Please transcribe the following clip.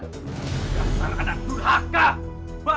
tidak salah karena durhaka